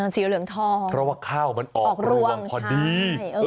สีเหลืองทองเพราะว่าข้าวมันออกรวงพอดี